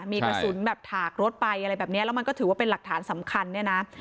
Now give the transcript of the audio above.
มีกระสุนแบบถากรถไปอะไรแบบนี้แล้วมันก็ถือว่าเป็นหลักฐานสำคัญเนี่ยนะ